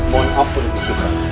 mohon hampir dipercayai